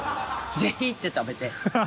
ぜひ行って食べて。